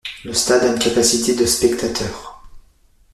Le stade à une capacité de spectateurs.